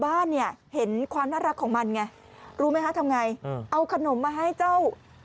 บ้านเนี่ยเห็นความน่ารักของมันไงรู้ไหมคะทำไงเอาขนมมาให้เจ้า